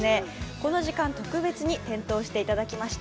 この時間、特別に点灯していただきました。